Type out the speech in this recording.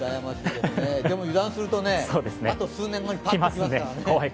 でも油断するとあと数年後にパッときますからね。